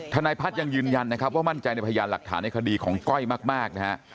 นายพัฒน์ยังยืนยันนะครับว่ามั่นใจในพยานหลักฐานในคดีของก้อยมากนะฮะ